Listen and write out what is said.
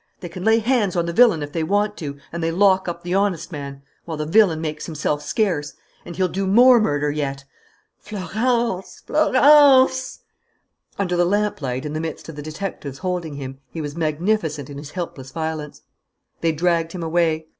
They can lay hands on the villain if they want to, and they lock up the honest man while the villain makes himself scarce! And he'll do more murder yet! Florence! Florence ..." Under the lamp light, in the midst of the detectives holding him, he was magnificent in his helpless violence. They dragged him away.